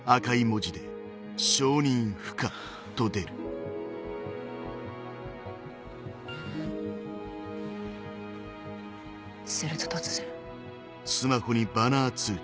ハァすると突然。